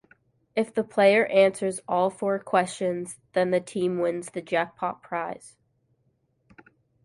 If the player answers all four questions, then the team wins the jackpot prize.